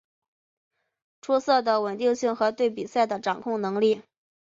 出色的稳定性和对比赛的掌控能力。